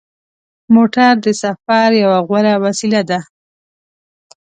موټر د سفر یوه غوره وسیله ده.